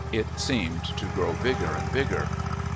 It seemed to grow bigger and bigger.